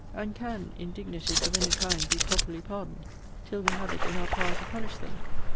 And can indignities of any kind be properly pardoned till we have it in our power to punish them?